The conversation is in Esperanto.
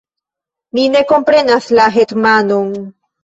Mi ne komprenas la hetmanon.